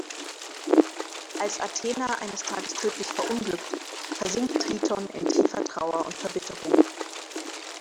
Als Athena eines Tages tödlich verunglückt, versinkt Triton in tiefer Trauer und Verbitterung.